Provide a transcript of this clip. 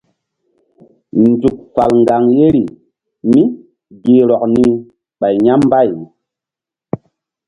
Nzuk fal ŋgaŋ yeri mí gi rɔk ni ɓay ya̧ mbay.